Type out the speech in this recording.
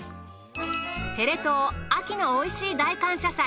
テレ東秋のおいしい大感謝祭。